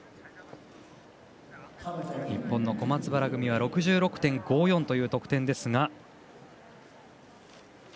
日本の小松原組は６６．５４という得点。